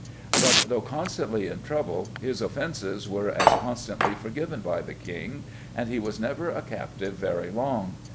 But though constantly in trouble his offences were as constantly forgiven by the King, and he was never a captive very long.